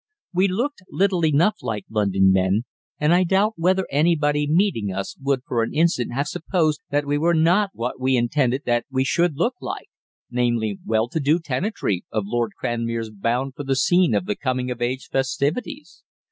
We looked little enough like London men, and I doubt whether anybody meeting us would for an instant have supposed that we were not what we intended that we should look like, namely well to do tenantry of Lord Cranmere's bound for the scene of the coming of age festivities.